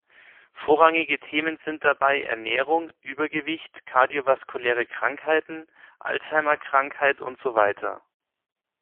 Vorrangige Themen sind dabei: Ernährung, Übergewicht, kardio-vaskuläre Krankheiten, Alzheimer-Krankheit und so weiter.